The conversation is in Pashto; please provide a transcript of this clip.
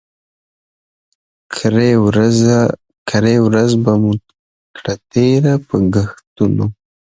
کرۍ ورځ به مو کړه تېره په ګښتونو